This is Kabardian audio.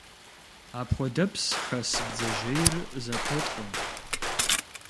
Апхуэдэпс хэс бдзэжьейр зэтолӀэ.